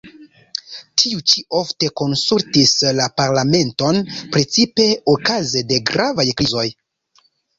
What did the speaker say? Tiu ĉi ofte konsultis la parlamenton, precipe okaze de gravaj krizoj.